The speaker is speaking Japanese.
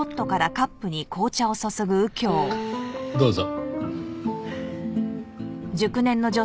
どうぞ。